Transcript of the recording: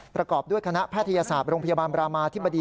ประกอบด้วยคณะแพทยศาสตร์โรงพยาบาลบรามาธิบดี